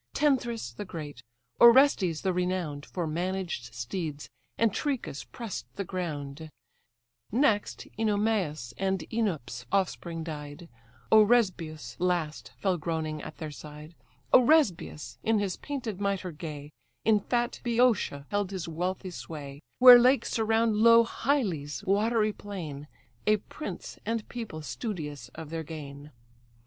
Tenthras the great, Orestes the renown'd For managed steeds, and Trechus press'd the ground; Next Œnomaus and OEnops' offspring died; Oresbius last fell groaning at their side: Oresbius, in his painted mitre gay, In fat Bœotia held his wealthy sway, Where lakes surround low Hylè's watery plain; A prince and people studious of their gain.